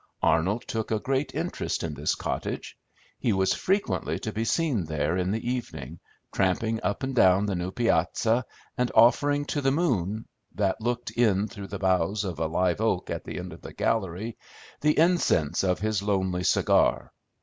Arnold took a great interest in this cottage. He was frequently to be seen there in the evening, tramping up and down the new piazza, and offering to the moon, that looked in through the boughs of a live oak at the end of the gallery, the incense of his lonely cigar.